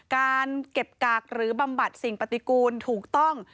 การเก็บกากหรือบำบัดสิ่งปฏิกูลถูกต้อง